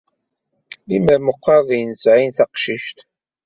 Lemmer meqqar d ay nesɛi taqcict!